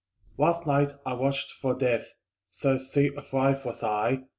Last night I watched for Death So sick of life was I!